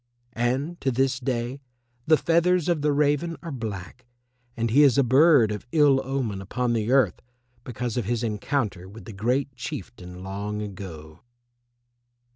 And to this day the feathers of the raven are black, and he is a bird of ill omen upon the earth because of his encounter with the Great Chieftain long ago.